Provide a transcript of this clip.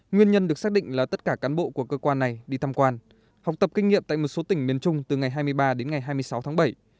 nguyên nhân được xác định là tất cả cán bộ của cơ quan này đi tham quan học tập kinh nghiệm tại một số tỉnh miền trung từ ngày hai mươi ba đến ngày hai mươi sáu tháng bảy